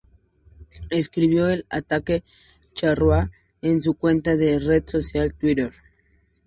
Escribió el atacante charrúa en su cuenta de la red social Twitter.